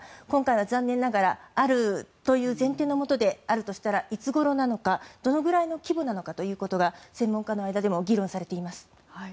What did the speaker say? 今回は残念ながらあるという前提のもとであるとしたらいつごろなのかどれくらいの規模なのかということが専門家の間でも議論されています。